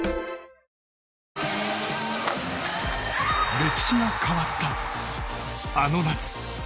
歴史が変わった、あの夏。